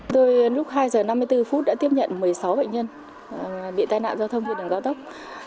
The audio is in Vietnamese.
tôi lúc hai giờ năm mươi bốn phút đã tiếp nhận một mươi sáu bệnh nhân bị tai nạn giao thông trên đường cao tốc